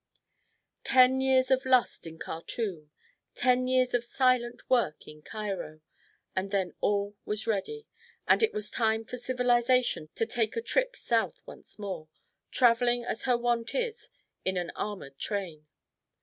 Ten years of lust in Khartoum, ten years of silent work in Cairo, and then all was ready, and it was time for Civilisation to take a trip south once more, travelling as her wont is in an armoured train.